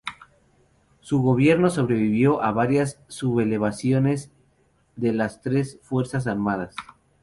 Su gobierno sobrevivió a varias sublevaciones de las tres fuerzas armadas.